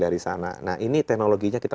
dari sana nah ini teknologinya kita